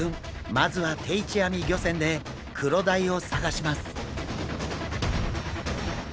まずは定置網漁船でクロダイを探します。